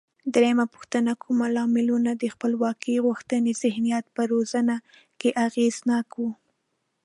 درېمه پوښتنه: کوم لاملونه د خپلواکۍ غوښتنې ذهنیت په روزنه کې اغېزناک و؟